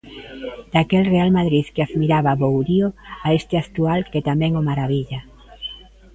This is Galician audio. Daquel Real Madrid que admirada Bourio a este actual que tamén o marabilla.